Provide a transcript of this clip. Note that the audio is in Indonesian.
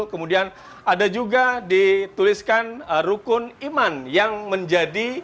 kemudian ada juga dituliskan rukun iman yang menjadi